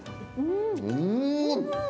うん。